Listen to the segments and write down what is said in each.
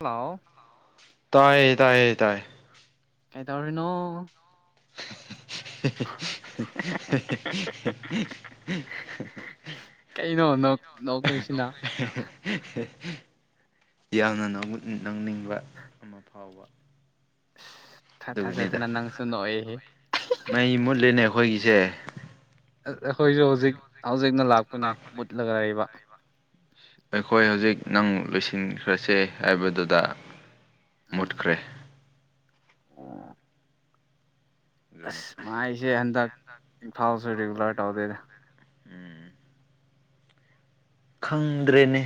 Hello ꯇꯥꯏꯌꯦ ꯇꯥꯏꯌꯦ ꯇꯥꯏ ꯀꯩꯗꯧꯔꯤꯅꯣ ꯍꯦ ꯍꯦ ꯍꯦ ꯀꯩꯅꯣ ꯅꯣꯛ ꯀꯔꯤꯁꯤꯅ ꯍꯦ ꯍꯦ ꯌꯥꯝꯅ ꯅꯧꯅꯤꯡꯕ ꯑꯃ ꯐꯥꯎꯕ ꯑ ꯊꯥꯠ ꯊꯥꯖꯗꯅ ꯅꯪꯁꯨ ꯅꯣꯛꯏꯍ ꯑꯩꯈꯣꯏꯁꯨ ꯍꯧꯖꯤꯛ ꯍꯧꯖꯤꯛꯅ ꯂꯥꯛꯄꯅꯦ ꯃꯨꯠꯂꯒ ꯂꯩꯕ ꯑꯩꯈꯣꯏ ꯍꯧꯖꯤꯛ ꯅꯪ ꯂꯣꯏꯁꯤꯟꯈ꯭ꯔꯁꯦ ꯍꯥꯏꯕꯗꯨꯗ ꯃꯨꯠꯈ꯭ꯔꯦ ꯑꯁ ꯃꯥꯏꯁꯦ ꯍꯟꯗꯛ ꯏꯝꯐꯥꯜꯁꯨ ꯔꯤꯒꯨꯂꯔ ꯇꯧꯗꯦꯗ ꯎꯝ ꯈꯪꯗ꯭ꯔꯦꯅꯦ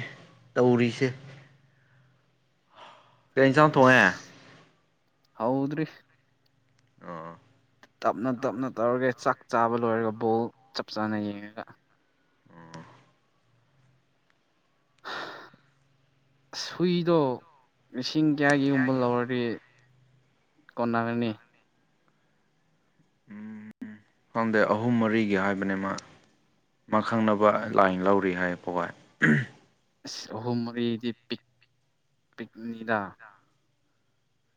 ꯇꯧꯔꯤꯁꯦ ꯑ ꯍꯥꯎꯗ꯭ꯔꯤ ꯑ ꯑ ꯇꯞꯅ ꯇꯞꯅ ꯇꯧꯔꯒ ꯆꯥꯛ ꯆꯥꯕ ꯂꯣꯏꯔꯒ ꯕꯣꯜ ꯆꯞ ꯆꯥꯅ ꯌꯦꯡꯉꯒ ꯁꯨꯏꯗꯣ ꯂꯤꯁꯤꯡ ꯀꯌꯥꯒꯤꯒꯨꯝꯕ ꯂꯧꯔꯗꯤ ꯀꯣꯟꯅꯒꯅꯤ ꯎꯝ ꯈꯪꯗꯦ ꯑꯍꯨꯝ ꯃꯔꯤꯒꯤ ꯍꯥꯏꯕꯅꯦ ꯃꯥ ꯃꯈꯪꯅꯕ ꯂꯥꯏꯟ ꯂꯧꯔꯤ ꯍꯥꯏ ꯄꯏ ꯑꯁ ꯑꯍꯨꯝ ꯃꯔꯤꯗꯤ ꯄ ꯄꯤꯛꯅꯤꯗ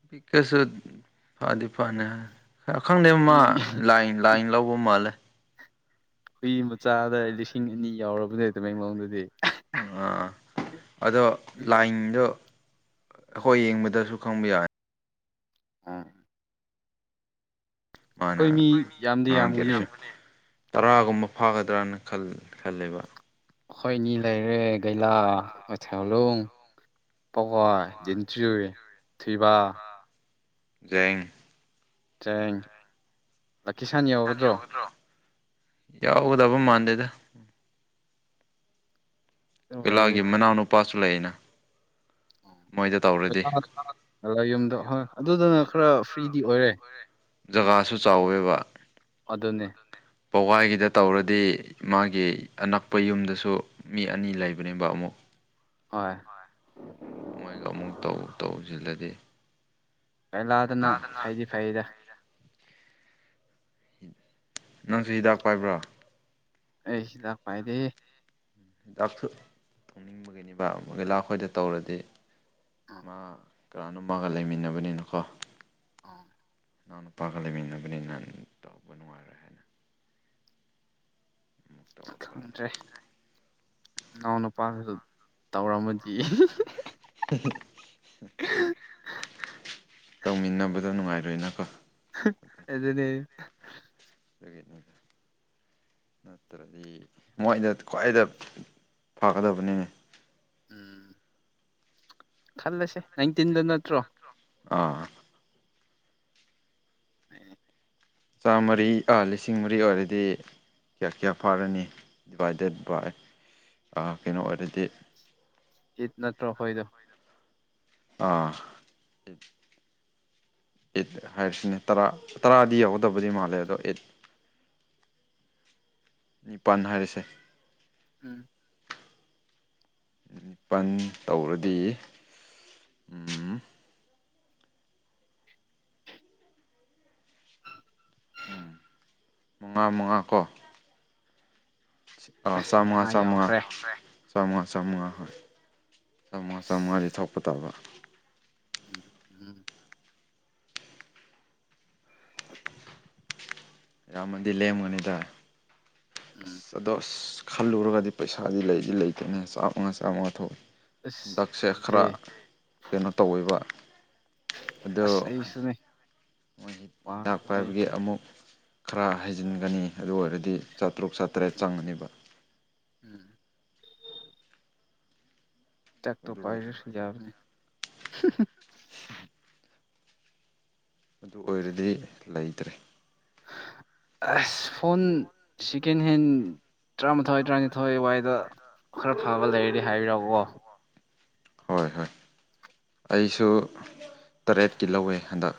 ꯄꯤꯛ ꯀꯁꯨ ꯐꯥꯗꯤ ꯐꯅꯦ ꯈꯪꯗꯦ ꯃꯥ ꯂꯥꯏꯟ ꯂꯥꯏꯟ ꯂꯧꯕ ꯃꯥꯜꯂꯦ ꯍꯨꯏ ꯃꯆꯥꯗ ꯂꯤꯁꯤꯡ ꯑꯅꯤ ꯌꯥꯎꯔꯕꯅꯦ ꯑꯗꯨꯃꯩ ꯃꯣꯟꯗꯗꯤ ꯑꯥ ꯑꯗꯣ ꯂꯥꯏꯟꯗꯣ ꯑꯩꯈꯣꯏ ꯌꯦꯡꯕꯗꯁꯨ ꯈꯨꯕꯤ ꯌꯥ ꯑꯥ ꯑꯩꯈꯣꯏ ꯃꯤ ꯌꯥꯝꯗꯤ ꯌꯥꯝꯒꯅꯤ ꯇꯔꯥꯒꯨꯝꯕ ꯐꯥꯒꯗ꯭ꯔꯅ ꯈ ꯈꯜꯂꯦꯕ ꯑꯩꯈꯣꯏ ꯑꯅꯤ ꯂꯩꯔꯦ ꯒꯩꯂꯥꯊꯥꯎꯂꯣꯡ ꯄꯀꯣꯏ ꯗꯤꯟꯆ꯭ꯨ ꯊꯣꯏꯕ ꯖꯦꯡ ꯆꯦꯡ [unintelligible] ꯌꯥꯎꯒꯗ꯭ꯔꯣ ꯌꯥꯎꯒꯗꯕ ꯃꯥꯟꯗꯦꯗ [unintelligible] ꯃꯅꯥꯎꯅꯨꯄꯥꯁꯨ ꯂꯩ ꯑꯅ ꯃꯣꯏꯗ ꯇꯧꯔꯗꯤ [unintelligible] ꯌꯨꯝꯗꯣ ꯍꯣꯏ ꯑꯗꯨꯗꯨꯅ ꯈꯔ ꯐ꯭ꯔꯤꯗꯤ ꯑꯣꯏꯔꯦ ꯖꯒꯥꯁꯨ ꯆꯥꯎꯋꯦꯕ ꯄꯋꯥꯒꯤꯗ ꯇꯧꯔꯗꯤ ꯃꯥꯒꯤ ꯑꯅꯛꯄ ꯌꯨꯝꯗꯁꯨ ꯃꯤ ꯑꯅꯤ ꯂꯩꯕꯅꯦꯕ ꯑꯃꯨꯛ ꯍꯣꯏ ꯃꯣꯏꯒ ꯑꯃꯨꯛ ꯇꯧ ꯇꯧꯖꯤꯜꯂꯗꯤ ꯀꯩꯂꯥꯗꯅ ꯐꯩꯗꯤ ꯐꯩꯗ ꯅꯪꯁꯨ ꯍꯤꯗꯥꯛ ꯄꯥꯏꯕ꯭ꯔꯣ ꯑꯩꯁ ꯍꯤꯗꯥꯛ ꯄꯥꯏꯗꯦ ꯍꯤꯗꯥꯛꯁꯨ ꯇꯧꯅꯤꯡꯕꯒꯤꯅꯤꯕꯥ [unintelligible] ꯂꯥ ꯈꯣꯏꯗ ꯇꯧꯔꯗꯤ ꯃꯥ ꯀꯅꯥꯅꯣ ꯃꯥꯒ ꯂꯩꯃꯤꯟꯅꯕꯅꯤꯅꯀꯣ ꯑꯣ ꯅꯅꯥꯎ ꯅꯨꯄꯥꯒ ꯂꯩꯃꯤꯟꯅꯕꯅꯤ ꯅ ꯇꯧꯕ ꯅꯨꯡꯉꯥꯏꯔꯣꯏ ꯈꯪꯗ꯭ꯔꯦ ꯏꯅꯥꯎ ꯅꯨꯄꯥꯒꯁꯨ ꯇꯧꯔꯝꯃꯗꯤ ꯇꯧꯃꯤꯟꯅꯕꯗꯣ ꯅꯨꯡꯉꯥꯏꯔꯣꯏꯅꯀꯣ ꯑꯗꯨꯅꯦ [unintelligible] ꯅꯠꯇ꯭ꯔꯗꯤ ꯃꯣꯏꯗ ꯈ꯭ꯋꯥꯏꯗ ꯐꯒꯗꯕꯅꯦ ꯎꯝ ꯈꯜꯂꯁꯦ ꯅꯥꯏꯟꯇꯤꯟꯗ ꯅꯠꯇ꯭ꯔꯣ ꯑꯥ [unintelligible] ꯆꯥꯝꯃꯔꯤ ꯑ ꯂꯤꯁꯤꯡ ꯃꯔꯤ ꯑꯣꯏꯔꯗꯤ ꯀꯌꯥ ꯀꯌꯥ ꯄꯥꯔꯅꯤ ꯗꯤꯚꯥꯏꯗꯦꯠ ꯕꯥꯏ ꯑ ꯀꯩꯅꯣ ꯑꯣꯏꯔꯗꯤ ꯏꯠ ꯅꯠꯇ꯭ꯔꯣ ꯍꯣꯏꯗꯣ ꯑꯥ ꯏꯠ ꯍꯥꯏꯔꯤꯁꯤꯅꯦ ꯇꯔꯥ ꯇꯔꯥꯗꯤ ꯌꯥꯎꯒꯗꯕꯗꯤ ꯃꯥꯜꯂꯦ ꯑꯗꯣ ꯏꯠ ꯅꯤꯄꯥꯟ ꯍꯥꯏꯔꯁꯦ ꯎꯝ ꯅꯤꯄꯟ ꯇꯧꯔꯗꯤ ꯃꯉꯥ ꯃꯉꯥ ꯀꯣ ꯑ ꯆꯥꯃꯉꯥ ꯆꯥꯃꯉꯥ ꯆꯥꯃꯉꯥ ꯆꯥꯃꯉꯥ ꯍꫭꯏ ꯆꯥꯝꯉꯥ ꯆꯥꯝꯉꯥꯥꯗꯤ ꯊꯣꯛꯄ ꯇꯥꯕ ꯎꯝ ꯎꯝ ꯌꯥꯝꯃꯗꯤ ꯂꯦꯝꯒꯅꯤꯗ ꯑꯁ ꯑꯗꯣ ꯑꯁ ꯈꯜꯂꯨꯔꯒꯗꯤ ꯄꯩꯁꯥꯗꯤ ꯂꯩꯗꯤ ꯂꯩꯇꯦꯅꯦ ꯆꯥꯝꯃꯉꯥ ꯆꯥꯝꯃꯉꯥ ꯊꯣꯛ ꯍꯟꯗꯛꯁꯦ ꯈꯔ ꯀꯩꯅꯣ ꯇꯧꯋꯦꯕ ꯑꯗꯣ ꯃꯣꯏ ꯍꯤꯗꯥꯛ ꯄꯥꯏꯕꯒꯤ ꯑꯃꯨꯛ ꯈꯔ ꯍꯩꯖꯤꯟꯒꯅꯤ ꯑꯗꯨ ꯑꯣꯏꯔꯗꯤ ꯆꯥꯇ꯭ꯔꯨꯛ ꯆꯥꯇ꯭ꯔꯦꯠ ꯆꯪꯉꯅꯤꯕ ꯎꯝ [unintelligible] ꯄꯥꯏꯔꯁꯨ ꯌꯥꯕꯅꯦ ꯑꯗꯨ ꯑꯣꯏꯔꯗꯤ ꯂꯩꯇ꯭ꯔꯦ ꯑꯁ ꯐꯣꯟ ꯁꯤꯀꯦꯟ ꯍꯦꯟ ꯇꯔꯥꯃꯥꯊꯣꯏ ꯇꯔꯥꯅꯤꯊꯣꯏ ꯋꯥꯏꯗ ꯈꯔ ꯐꯕ ꯂꯩꯔꯗꯤ ꯍꯥꯏꯕꯤꯔꯛꯎꯀꯣ ꯍꯣꯏ ꯍꯣꯏ ꯑꯩꯁꯨ ꯇꯔꯦꯠꯀꯤ ꯂꯧꯋꯦ ꯍꯟꯗꯛ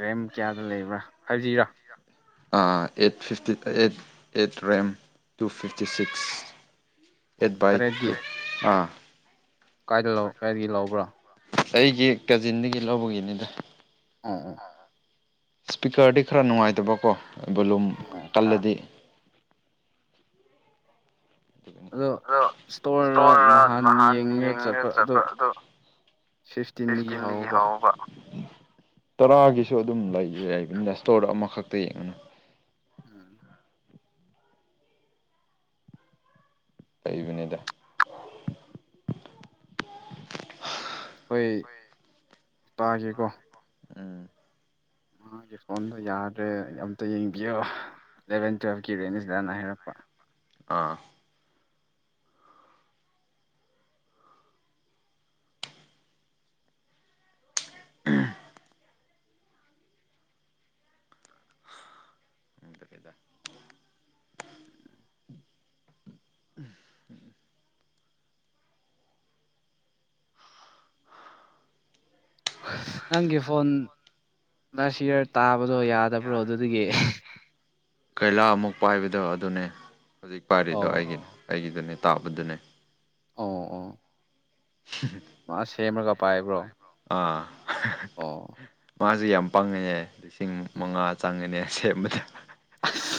ꯔꯦꯝ ꯀꯌꯥꯗ ꯂꯩꯕ꯭ꯔꯥ ꯐꯥꯏꯚ ꯖꯤꯔ ꯑ ꯑꯦꯠ ꯐꯤꯐꯇꯤ ꯑꯦꯠ ꯑꯦꯠ ꯔꯦꯝ ꯇꯨ ꯐꯤꯐꯇꯤ ꯁꯤꯛꯁ ꯑꯦꯠꯚꯥꯏꯇ [unintelligible] ꯑꯥ ꯀꯥꯏꯗ ꯂꯧ ꯀꯥꯏꯗꯒꯤ ꯂꯧꯕ꯭ꯔꯥ ꯑꯩꯒꯤ ꯀꯖꯤꯟꯗꯒꯤ ꯂꯧꯕꯒꯤꯅꯤꯗ ꯑꯥ ꯑꯥ ꯏꯁꯄꯤꯀꯔꯗꯤ ꯈꯔ ꯅꯨꯡꯉꯥꯏꯇꯕꯀꯣ ꯕꯣꯂꯨꯝ ꯎꯝ ꯑꯜꯗꯤ [inaudible] ꯑꯗꯣ ꯏꯁꯇꯣꯔꯗ ꯅꯍꯥꯟ ꯌꯦꯡꯉ ꯆꯠꯄ ꯑꯗꯨ ꯐꯤꯐꯇꯤꯟꯗꯒꯤ ꯍꯧꯕ ꯇꯔꯥꯒꯤꯁꯨ ꯑꯗꯨꯝ ꯂꯩꯗꯤ ꯂꯩꯕꯅꯤꯅꯦ ꯏꯁ꯭ꯇꯣꯔ ꯑꯃꯈꯛꯇ ꯌꯦꯡꯉꯅꯨ ꯎꯝ [inaudible] ꯂꯩꯕꯅꯤꯗ ꯍꯣꯏ ꯇꯥꯒꯦꯀꯣ ꯎꯝ [inaudible] ꯃꯥꯒꯤ ꯐꯣꯟꯗꯣ ꯌꯥꯗ꯭ꯔꯦ ꯑꯝꯇ ꯌꯦꯡꯕꯤꯌꯣ ꯑꯦꯂꯚꯦꯟ ꯇꯨꯌꯦꯦꯜꯞꯀꯤ ꯔꯦꯟꯖꯇꯅ ꯍꯥꯏꯔꯛꯄ ꯑꯥ ꯎ ꯇ ꯀꯩꯗ [inaudible] [inaudible] ꯅꯪꯒꯤ ꯐꯣꯟ ꯅ ꯁꯤꯌꯔ ꯇꯥꯕꯗꯣ ꯌꯥꯗꯕ꯭ꯔꯣ ꯑꯗꯨꯗꯒꯤ ꯀꯩꯂꯥ ꯑꯃꯨꯛ ꯄꯥꯏꯕꯗꯣ ꯑꯗꯨꯅꯦ ꯍꯧꯖꯤꯛ ꯄꯥꯏꯔꯤꯗꯣ ꯑꯩꯒꯤꯅꯦ ꯑꯩꯒꯤꯗꯨꯅꯦ ꯇꯥꯕꯗꯨꯅꯦ ꯑꯣ ꯑꯣ ꯎ [inaudible] ꯃꯥ ꯁꯦꯝꯃꯒ ꯄꯥꯏꯕ꯭ꯔꯣ ꯑꯥ ꯑꯣ ꯃꯥꯁꯨ ꯌꯥꯝ ꯄꯪꯉꯅꯦ ꯂꯤꯁꯤꯡ ꯃꯉꯥ ꯆꯪꯉꯅꯦ ꯁꯦꯝꯕꯗ ꯑꯁ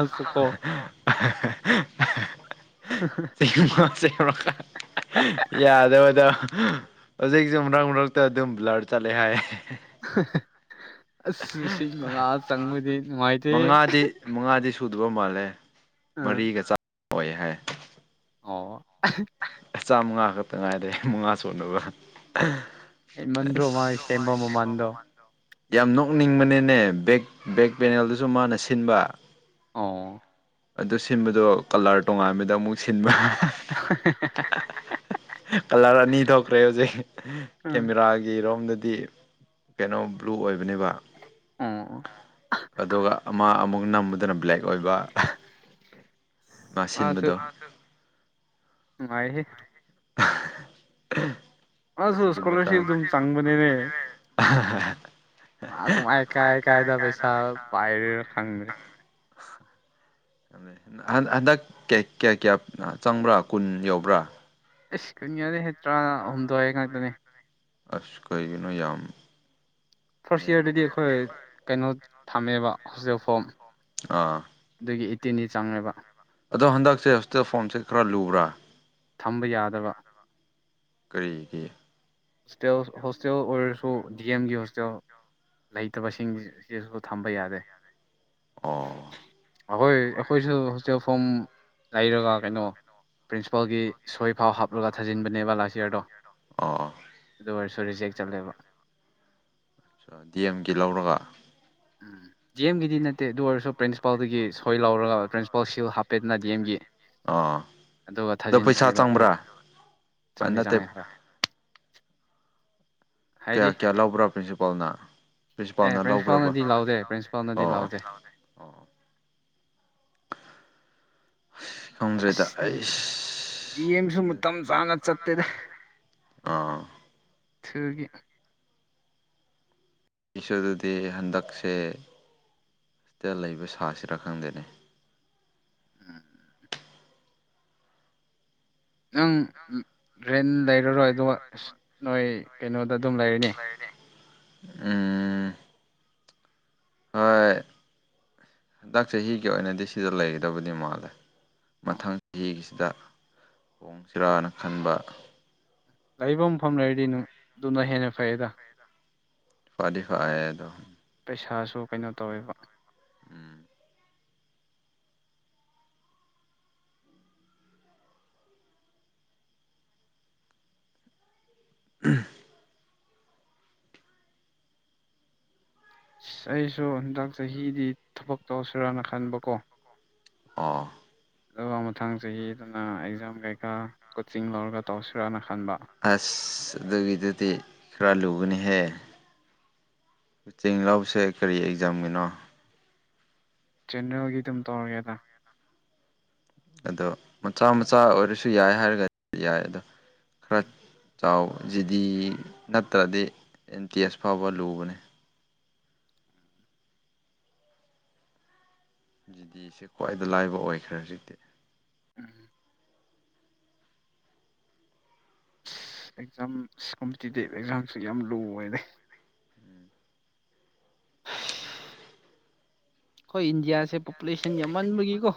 ꯑꯁꯨ ꯀꯣ [inaudible] [inaudible] ꯍ [inaudible] ꯁꯤꯦꯡꯃꯥ ꯁꯦꯡꯃꯥ ꯌꯥꯗꯕꯗꯣ [inaudible] ꯍꯧꯖꯤꯛꯁꯦ ꯃꯔꯛ ꯃꯔꯛꯇ ꯑꯗꯨꯝ ꯕ꯭ꯂꯔ ꯆꯠꯂꯦ ꯍꯥꯏ ꯑꯁ ꯏꯁꯤꯡ ꯃꯉꯥ ꯆꯪꯕꯗꯤ ꯅꯨꯡꯉꯥꯏꯇꯦꯍꯦ ꯃꯉꯥꯗꯤ ꯁꯨꯗꯕ ꯃꯥꯜꯂꯦ ꯃꯔꯤꯒ ꯆꯥꯃꯥ ꯑꯣꯏ ꯍꯥꯏ ꯑꯣ ꯆꯥꯝꯃꯉꯥ ꯈꯛꯇ ꯉꯥꯏꯔꯦ ꯃꯉꯥ ꯁꯨꯅꯕ ꯍꯦꯟꯃꯟꯗ꯭ꯔꯣ ꯃꯥ ꯁꯦꯝꯕ ꯑꯃ ꯃꯥꯟꯗꯣ ꯌꯥꯝ ꯅꯣꯛꯅꯤꯡꯕꯅꯤꯅꯦ ꯕꯦꯛ ꯕꯦꯛ ꯄꯦꯅꯦꯜꯗꯨꯁꯨ ꯃꯥꯅ ꯁꯤꯟꯕ ꯑꯣ ꯑꯗꯨ ꯁꯤꯟꯕꯗꯣ ꯀꯂꯔ ꯇꯣꯉꯥꯟꯕꯗ ꯑꯃꯨꯛ ꯁꯤꯟꯕ [inaudible] ꯀꯂꯔ ꯑꯅꯤ ꯊꯣꯛꯈ꯭ꯔꯦ ꯍꯧꯖꯤꯛ ꯀꯦꯃꯦꯔꯥꯒꯤ ꯔꯣꯝꯗꯗꯤ ꯀꯩꯅꯣ ꯕ꯭ꯂꯨ ꯑꯣꯏꯕꯅꯦꯕ ꯑ [inaudible] ꯑꯗꯨꯒ ꯑꯃ ꯑꯃꯨꯛ ꯅꯝꯝꯕꯗꯅ ꯕ꯭ꯂꯦꯛ ꯑꯣꯏꯕ ꯎ [inaudible] ꯃꯥ ꯁꯤꯟꯕꯗꯣ ꯅꯪꯉꯥꯏꯍꯦ [inaudible] ꯑ ꯏꯁꯀꯣꯂꯔꯁꯤꯞ ꯑꯗꯨꯝ ꯆꯪꯕꯅꯤꯅꯦ ꯃꯥꯁꯨ ꯃꯥꯢ ꯀꯥꯏ ꯀꯥꯏꯗ ꯄꯩꯁꯥ ꯄꯥꯏꯔꯦꯅꯣ ꯈꯪꯗ꯭ꯔꯦ꯫ [unintelligible] ꯍꯥꯟ ꯍꯥꯟꯗꯛ ꯀꯩ ꯀꯌꯥ ꯀꯌꯥ ꯑ ꯆꯪꯕ꯭ꯔꯥ ꯀꯨꯟ ꯌꯧꯕ꯭ꯔꯥ꯫ ꯏꯁ ꯀꯨꯟꯌꯧꯗꯦꯍꯦ ꯇ꯭ꯔꯥꯍꯨꯝ ꯉꯥꯛꯇꯅꯦ꯫ ꯑꯁ ꯀꯩꯒꯤꯅꯣ ꯌꯥꯝ ꯐꯔꯁ ꯏꯌꯥꯔꯗꯗꯤ ꯑꯈꯣꯏ ꯀꯩꯅꯣ ꯊꯝꯃꯦꯕ ꯍꯣꯁꯇꯦꯜ ꯐꯣꯝ꯫ ꯑ ꯑꯗꯨꯒꯤ ꯑꯩꯠꯇꯤꯟꯗꯤ ꯆꯪꯉꯦꯕ꯫ ꯑꯗꯣ ꯍꯟꯗꯛꯁꯦ ꯍꯣꯁꯇꯦꯜ ꯐꯣꯝꯁꯦ ꯈꯔ ꯂꯨꯕ꯭ꯔꯥ꯫ ꯊꯝꯕ ꯌꯥꯗꯕ ꯀꯩꯒꯤ ꯁꯇꯦꯜ ꯍꯣꯁꯇꯦꯜ ꯑꯣꯏꯔꯁꯨ ꯗꯤ ꯑꯦꯝꯒꯤ ꯍꯣꯁꯇꯦꯜ ꯂꯩꯇꯕꯁꯤꯡꯒꯤꯁꯤꯁꯨ ꯊꯝꯕ ꯌꯥꯗꯦ꯫ ꯑꯈꯣꯏ ꯑꯈꯣꯏꯁꯨ ꯍꯣꯁꯇꯦꯜ ꯐꯣꯝ ꯂꯩꯔꯒ ꯀꯩꯅꯣ ꯄ꯭ꯔꯤꯟꯁꯤꯄꯥꯜꯒꯤ ꯁꯣꯏꯐꯥꯎ ꯍꯥꯞꯔꯒ ꯊꯥꯖꯤꯟꯕꯅꯦꯕ ꯂꯥꯁ ꯏꯌꯥꯔꯗꯣ꯫ ꯑ ꯗꯨ ꯑꯣꯏꯔꯁꯨ ꯔꯤꯖꯦꯛ ꯆꯠꯂꯦꯕ ꯗꯤ ꯑꯦꯝꯒꯤ ꯂꯧꯔꯒ ꯎꯝ ꯗꯤ ꯑꯦꯝꯒꯤꯗꯤ ꯅꯠꯇꯦ ꯑꯗꯨꯑꯣꯏꯔꯁꯨ ꯄ꯭ꯔꯤꯟꯁꯤꯄꯥꯜꯗꯒꯤ ꯁꯣꯏ ꯂꯧꯔꯒ ꯄ꯭ꯔꯤꯟꯁꯤꯄꯥꯜꯁꯨ ꯍꯥꯞꯄꯦꯗꯅ ꯗꯤ ꯑꯦꯝꯒꯤ꯫ ꯑꯗꯨꯒ ꯊꯥꯖꯤꯟꯕꯅꯦꯕ ꯑꯗꯨ ꯆꯪꯗꯤ ꯆꯪꯉꯦ ꯍꯣꯏ꯫ ꯀꯌꯥ ꯀꯌꯥ ꯂꯧꯕ꯭ꯔꯥ ꯄ꯭ꯔꯤꯟꯁꯤꯄꯥꯜꯅ꯫ ꯑꯦ ꯄ꯭ꯔꯤꯟꯁꯤꯄꯥꯜꯅꯗꯤ ꯂꯥꯎꯗꯦ ꯄ꯭ꯔꯤꯟꯁꯤꯄꯥꯜꯅꯗꯤ ꯂꯥꯎꯗꯦ꯫ ꯈꯪꯗ꯭ꯔꯦꯗ ꯑꯩꯁ [inaudible] ꯑ ꯊꯨꯒꯤ ꯑꯩꯁꯨ ꯑꯗꯨꯗꯤ ꯍꯟꯗꯛꯁꯦ ꯇ ꯂꯩꯕ ꯁꯥꯁꯤꯔꯥ ꯈꯪꯗꯦꯅꯦ꯫ ꯅꯪ ꯎꯝ ꯔꯦꯟ ꯂꯩꯔꯔꯣꯏ ꯑꯗꯨꯒ ꯑꯁ ꯅꯣꯏ ꯀꯩꯅꯣꯗ ꯗꯨꯝ ꯂꯩꯔꯅꯤ꯫ ꯂꯩꯔꯅꯤ ꯎꯝ ꯍꯣꯏ ꯗꯥꯛ ꯆꯍꯤꯒꯤ ꯑꯣꯏꯅꯗꯤ ꯁꯤꯗ ꯂꯩꯒꯗꯕꯗꯤ ꯃꯥꯜꯂꯦ꯫ ꯃꯊꯪ ꯌꯤꯒꯤꯁꯤꯗ ꯍꯣꯡꯁꯤꯔꯥꯅ ꯈꯟꯕ꯫ ꯂꯩꯕ ꯃꯐꯝ ꯂꯩꯔꯗꯤ ꯅꯨꯡ ꯗꯨꯅ ꯍꯦꯟꯅ ꯐꯩꯌꯦꯗ꯫ ꯐꯥꯗꯤ ꯐꯥꯑꯦ ꯑꯗꯣ ꯄꯩꯁꯥꯁꯨ ꯀꯩꯅꯣ ꯇꯧꯋꯦꯕ ꯎꯝ [unintelligible] ꯑꯩꯁꯨ ꯍꯟꯗꯥꯛ ꯆꯍꯤꯗꯤ ꯊꯕꯛ ꯇꯧꯁꯤꯔꯥꯅ ꯈꯟꯕꯀꯣ ꯑꯣ ꯑꯗꯨꯒ ꯃꯊꯥꯡ ꯆꯍꯤꯗꯨꯅ ꯑꯦꯛꯖꯥꯝ ꯀꯩꯀꯥ ꯀꯣꯆꯤꯡ ꯂꯧꯔꯒ ꯇꯧꯁꯤꯔꯥꯅ ꯈꯟꯕ꯫ ꯑꯁ ꯑꯗꯨꯒꯤꯗꯨꯗꯤ ꯈ꯭ꯔ ꯂꯨꯒꯅꯤꯍꯦ꯫ ꯆꯤꯡ ꯂꯥꯎꯁꯦ ꯀꯔꯤ ꯑꯦꯛꯖꯥꯝꯒꯤꯅꯣ꯫ ꯆꯦꯅꯔꯦꯜꯒꯤ ꯗꯨꯝ ꯇꯧꯔꯒꯦꯗ ꯑꯗꯣ ꯃꯆꯥ ꯃꯆꯥ ꯑꯣꯏꯔꯁꯨ ꯌꯥꯏ ꯍꯥꯏꯔꯒ ꯌꯥꯏ ꯑꯗꯣ ꯈꯔ ꯆꯥꯎ ꯖꯤꯗꯤ ꯅꯠꯇ꯭ꯔꯗꯤ [inaudible] ꯇꯤ ꯑꯦꯁ ꯐꯥꯎꯕ ꯂꯨꯕꯅꯦ꯫ ꯖꯤꯗꯤꯁꯦ ꯈ꯭ꯋꯥꯏꯗ ꯂꯥꯏꯕ ꯑꯣꯏꯈ꯭ꯔꯦ ꯍꯧꯖꯤꯛꯇꯤ꯫ [inaudible] ꯑꯁ ꯑꯦꯛꯖꯥꯝ ꯑꯁ ꯀꯝꯄꯤꯇꯤꯇꯤꯞ ꯑꯦꯛꯖꯥꯝꯁꯦ ꯌꯥꯝ ꯂꯨꯕꯥꯟꯗ꯫ ꯈꯣꯏ ꯏꯟꯗꯤꯌꯥꯁꯦ ꯄꯣꯄꯨꯂꯦꯁꯟ ꯌꯥꯝꯃꯟꯕꯒꯤꯀꯣ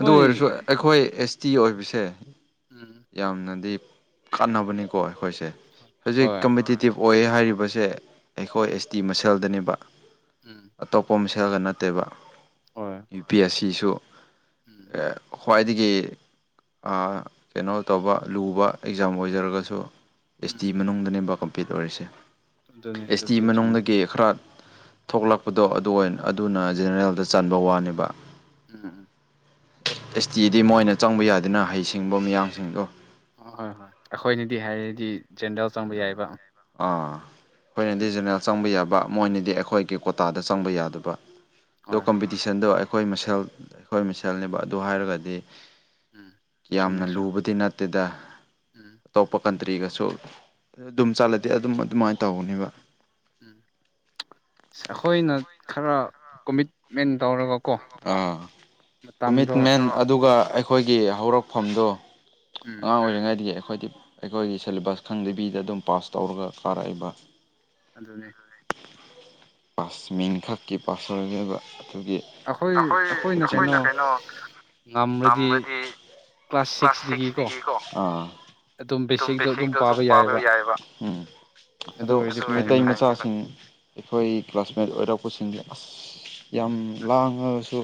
ꯑꯗꯨ ꯑꯣꯏꯔꯁꯨ ꯑꯈꯣꯏ ꯑꯦꯁ ꯇꯤ ꯑꯣꯏꯕꯁꯦ ꯎꯝ ꯌꯥꯝꯅꯗꯤ ꯀꯥꯟꯅꯕꯅꯤꯀꯣ ꯑꯩꯈꯣꯏꯁꯦ ꯍꯧꯖꯤꯛ ꯀꯝꯄꯤꯇꯤꯤ ꯑꯦꯛꯇꯤꯞ ꯑꯣꯏꯌꯦ ꯍꯥꯏꯔꯤꯕꯁꯦ ꯑꯩꯈꯣꯏ ꯑꯦꯁ ꯇꯤ ꯃꯁꯦꯜꯗꯅꯦꯕ ꯎꯝ ꯑꯇꯣꯞꯄ ꯃꯁꯦꯜꯒ ꯅꯠꯇꯦꯕ ꯌꯨ ꯄꯤ ꯑꯦꯁ ꯁꯤꯁꯨ ꯈ꯭ꯋꯥꯏꯗꯒꯤ ꯀꯩꯅꯣ ꯇꯧꯕ ꯂꯨꯕ ꯑꯦꯛꯖꯥꯝ ꯑꯣꯏꯖꯔꯒꯁꯨ ꯑꯦꯁ ꯇꯤ ꯃꯅꯨꯡꯗꯅꯦꯕ ꯀꯝꯄꯤꯂꯤꯠ ꯑꯣꯏꯔꯤꯁꯦ ꯑꯗꯨ ꯑꯗꯨꯅꯤ ꯑꯗꯨꯕꯨꯗꯤꯠ ꯆꯣ ꯈꯔ ꯊꯣꯛꯂꯛꯄꯗꯣ ꯑꯗꯨ ꯑꯗꯨꯅ ꯖꯦꯅꯦꯔꯦꯜꯗ ꯆꯥꯟꯕ ꯋꯥꯅꯦꯕ ꯎꯝ ꯑꯦꯁ ꯇꯤꯗꯤ ꯃꯣꯏꯅ ꯆꯪꯕ ꯌꯥꯗꯦꯅ ꯍꯩꯁꯤꯡꯕ ꯃꯤꯌꯥꯝꯁꯤꯡꯗꯣ꯫ ꯑ ꯍꯣꯏ ꯍꯣꯏ ꯑꯩꯈꯣꯏꯅꯗꯤ ꯍꯥꯏꯔꯗꯤ ꯖꯦꯟꯗꯦꯜ ꯆꯪꯕ ꯌꯥꯏꯕ꯫ ꯑ ꯍꯣꯏꯅꯗꯤ ꯖꯦꯟꯔꯜ ꯆꯪꯕ ꯌꯥꯕ ꯃꯣꯏꯅꯗꯤ ꯑꯩꯈꯣꯏꯒꯤ ꯀꯣꯇꯥꯗ ꯆꯪꯕ ꯌꯥꯗꯕ ꯗꫭ ꯀꯝꯄꯤ ꯇꯤꯁꯟꯗꯣ ꯑꯩꯈꯣꯏ ꯃꯁꯦꯜ ꯑꯩꯈꯣꯏ ꯃꯁꯦꯜꯅꯦꯕ ꯑꯗꫭ ꯍꯥꯏꯔꯒꯗꯤ ꯀ꯭ꯌꯥꯝꯅ ꯂꯨꯕꯗꯤ ꯅꯠꯇꯦꯗ꯫ ꯎꯝ꯫ ꯇꯣꯞꯄ ꯀꯟꯇ꯭ꯔꯤꯒꯁꯨ ꯑꯗꯨꯝ ꯆꯠꯂꯗꯤ ꯑꯗꯨꯝ ꯑꯗꯨꯃꯥꯏꯅ ꯇꯧꯒꯅꯤꯕ꯫ ꯎꯝ ꯑꯁ ꯑꯩꯈꯣꯏꯅ ꯈꯔ ꯀꯣꯃꯤꯠꯃꯦꯟ ꯇꯧꯔꯒ ꯑꯥ ꯀꯃꯤꯠꯃꯦꯟ ꯑꯗꯨꯒ ꯑꯩꯈꯣꯏꯒꯤ ꯍꯧꯔꯛꯐꯝꯗꯣ ꯑꯉꯥꯡ ꯑꯣꯏꯔꯤꯉꯩꯗꯒꯤ꯫ ꯑꯈꯣꯏꯗꯤ ꯑꯈꯣꯏꯒꯤ ꯁꯦꯂꯦꯕꯁ ꯈꯪꯗꯕꯤꯗ ꯑꯗꯨꯝ ꯄꯥꯁ ꯇꯧꯔꯒ ꯀꯥꯔꯛꯏꯕ꯫ ꯑꯗꯨꯅꯦ꯫ ꯄꯥꯁ ꯃꯤꯡꯈꯛꯀꯤ ꯄꯥꯁ ꯑꯣꯏꯅꯦꯕ ꯑꯗꯨꯒꯤ꯫ ꯑꯩꯈꯣꯏ ꯑꯩꯈꯣꯏꯅ ꯀꯩꯅꯣ ꯉꯝꯔꯗꯤ ꯀ꯭ꯂꯥꯁ ꯁꯤꯛꯁ ꯗꯒꯤ ꯀꯣ ꯑꯗꯨꯝ ꯕꯦꯁꯤꯛꯗꯣ ꯑꯗꯨꯝ ꯄꯥꯕ ꯌꯥꯏꯑꯦꯕ ꯎꯝ꯫ ꯑꯗꯣ ꯑꯁ ꯃꯩꯇꯩ ꯃꯆꯥꯁꯤꯡ ꯑꯩꯈꯣꯏ ꯀ꯭ꯂꯥꯁꯃꯦꯠ ꯂꯣꯏꯔꯛꯄꯁꯤꯡꯗꯤ ꯑꯁ ꯌꯥꯝ ꯂꯥꯡꯉꯒꯁꯨ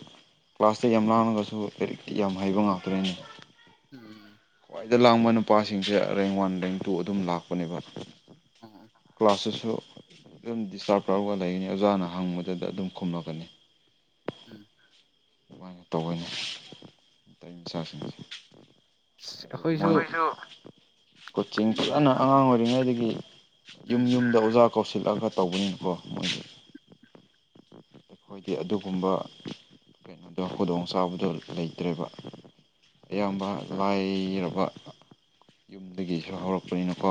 ꯀ꯭ꯂꯥꯁꯇ ꯌꯥꯝ ꯂꯥꯡꯉꯒꯁꯨ ꯂꯥꯏꯔꯤꯛꯇꯤ ꯌꯥꯝ ꯍꯩꯕ ꯉꯥꯛꯇꯅꯤꯅꯦ꯫ ꯎꯝ꯫ ꯈ꯭ꯋꯥꯏꯗ ꯂꯥꯡꯕ ꯅꯨꯄꯥꯁꯤꯡꯁꯦ ꯔꯦꯡ ꯋꯥꯟ ꯔꯦꯡ ꯇꯨ ꯑꯗꯨꯝ ꯂꯥꯛꯄꯅꯦꯕ꯫ ꯑꯣ꯫ ꯀ꯭ꯂꯥꯁꯇꯁꯨ ꯑꯗꯨꯝ ꯗꯤꯁꯇꯔꯕ ꯇꯧꯔꯒ ꯂꯩ ꯂꯩꯒꯅꯤ ꯑꯣꯖꯥꯅ ꯍꯪꯕꯗꯨꯗ ꯑꯗꯨꯝ ꯈꯨꯝꯂꯀꯅꯤ꯫ ꯎꯝ꯫ [inaudible] ꯃꫭꯏ ꯑꯈꯣꯏꯁꯨ ꯀꯣꯆꯤꯡ ꯐꯖꯅ ꯑꯉꯥꯡ ꯑꯣꯏꯔꯤꯉꯩꯗꯒꯤ ꯌꯨꯝ ꯌꯨꯝꯗ ꯑꯣꯖꯥ ꯀꯧꯁꯤꯜꯂꯛꯑꯒ ꯇꯧꯕꯅꯤꯀꫭ꯫ [inaudible] ꯑꯈꯣꯏꯗꯤ ꯑꯗꯨꯒꯨꯝꯕ ꯀꯩꯅꯣꯗꯣ ꯈꯨꯗꯣꯡ ꯆꯥꯕꯗꯣ ꯂꯩꯇ꯭ꯔꯦꯕ꯫ ꯑꯌꯥꯝꯕ ꯂꯥꯏꯔꯕ ꯌꯨꯝꯗꯒꯤꯁꯨ ꯍꯧꯔꯛꯄꯅꯤꯅꯀꯣ꯫